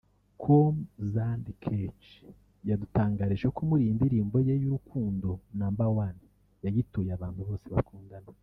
com Zand Kech yadutangarije ko muri iyi ndirimbo ye y’urukundo“Number one” yayituye abantu bose bakundana